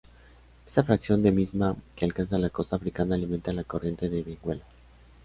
Esa fracción de misma que alcanza la costa africana alimenta la corriente de Benguela.